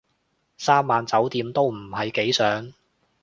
三晚酒店都唔係幾想